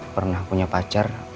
pernah punya pacar